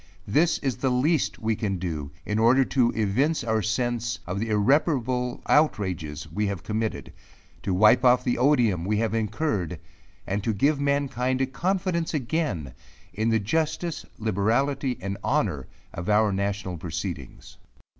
This is the least we can do in order to evince our sense of the irreparable outrages we have committed, to wipe off the odium we have incurred, and to give mankind a confidence again in the justice, liberality, and honour of our national proceedings.